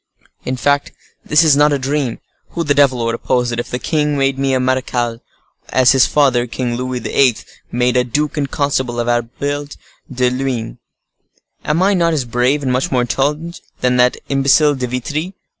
In fact, this is not a dream, who the devil would oppose it, if the king made me a marechal, as his father, King Louis XIII., made a duke and constable of Albert de Luynes? Am I not as brave, and much more intelligent, than that imbecile De Vitry?